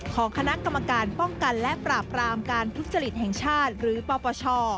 ของคณะกรรมการป้องกันและปราบรามการทุจริตแห่งชาติหรือปปช